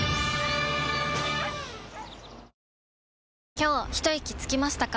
今日ひといきつきましたか？